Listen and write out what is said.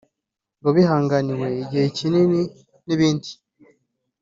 ngo bihanganiwe igihe kinini n’ibindi